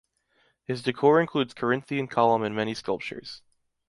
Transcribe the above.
His decor includes Corinthian column and many sculptures.